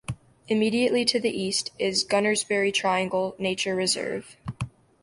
Immediately to the east is Gunnersbury Triangle nature reserve.